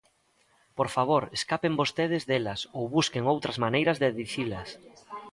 ¡Por favor, escapen vostedes delas ou busquen outras maneiras de dicilas!